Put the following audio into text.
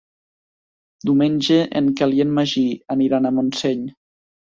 Diumenge en Quel i en Magí aniran a Montseny.